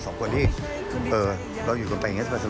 ซึ่งนักแสดงหนุ่มก็ออกมายอมรับแบบแมน